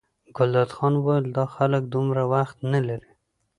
ګلداد خان وویل دا خلک دومره وخت نه لري.